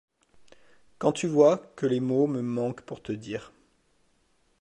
Quand tu vois, que les mots me manquent pour te dire